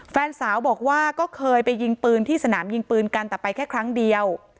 แฟนสาวบอกว่าก็เคยไปยิงปืนที่สนามยิงปืนกันแต่ไปแค่ครั้งเดียว